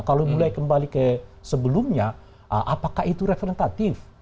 kalau mulai kembali ke sebelumnya apakah itu representatif